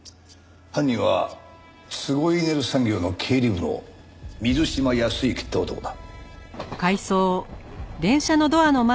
犯人はツゴイネル産業の経理部の水島泰之って男だ。